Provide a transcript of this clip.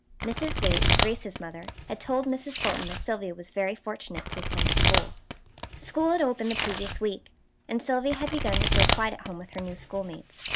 Mrs. Waite, Grace's mother, had told Mrs. Fulton that Sylvia was very fortunate to attend the school. School had opened the previous week, and Sylvia had begun to feel quite at home with her new schoolmates.